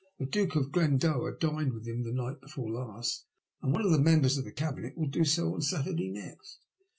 The Duke of Glendower dined with him the night before last, and one of the members of the Cabinet will do so on Saturday next.